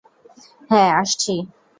হ্যা, আসছি!